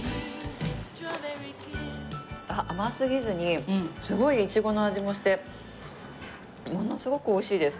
甘すぎずにすごいいちごの味もしてものすごく美味しいです。